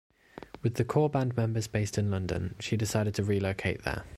With the core band members based in London, she decided to relocate there.